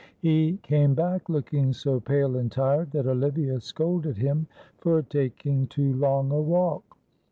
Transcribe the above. He came back looking so pale and tired that Olivia scolded him for taking too long a walk.